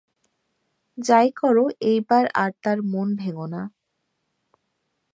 যাই করো এইবার আর তার মন ভেঙো না।